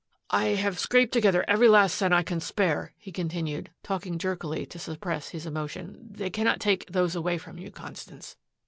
"I have scraped together every last cent I can spare," he continued, talking jerkily to suppress his emotion. "They cannot take those away from you, Constance.